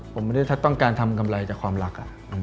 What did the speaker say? ผมไม่ได้ต้องการทำกำไรจากความรัก